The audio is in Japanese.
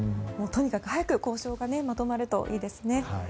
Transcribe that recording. とにかく早く交渉がまとまるといいですね。